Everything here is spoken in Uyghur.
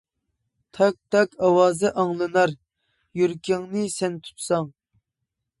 تاك-تاك ئاۋازى ئاڭلىنار، يۈرىكىڭنى سەن تۇتساڭ.